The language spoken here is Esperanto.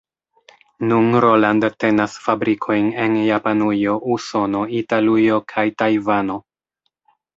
Nun Roland tenas fabrikojn en Japanujo, Usono, Italujo kaj Tajvano.